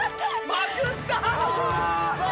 まくったー！